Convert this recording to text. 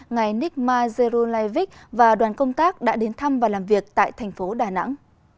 ngài nikma zerulaevich và đoàn công tác đã đến thăm và làm việc tại thành phố đà nẵng